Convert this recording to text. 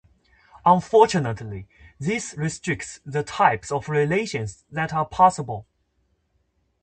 Unfortunately, this restricts the types of relations that are possible.